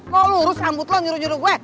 mau lurus sambut lo nyuruh nyuruh gue